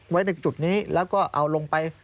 ไว้ในจุดนี้แล้วก็เอาลงไป